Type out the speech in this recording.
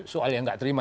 soalnya nggak terima